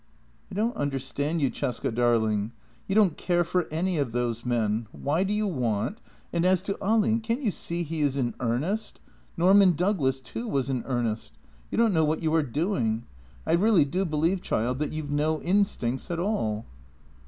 " I don't understand you, Cesca darling. You don't care for any of those men. Why do you want. ... And as to Ahlin, can't you see he is in earnest? Norman Douglas, too, was in earnest. You don't know what you are doing. I really do believe, child, that you've no instincts at all."